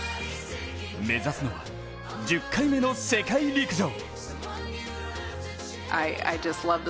目指すのは、１０回目の世界陸上。